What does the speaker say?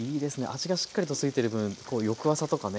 味がしっかりとついてる分翌朝とかね